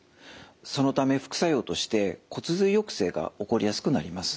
そのため副作用として骨髄抑制が起こりやすくなります。